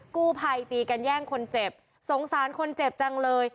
กู้ภัยตีกันแย่งคนเจ็บสงสารคนเจ็บจังเลย